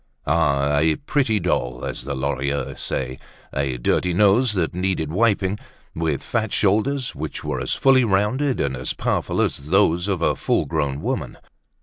Ah! a pretty doll, as the Lorilleuxs say, a dirty nose that needed wiping, with fat shoulders, which were as fully rounded and as powerful as those of a full grown woman.